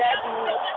jantung kota reykjavik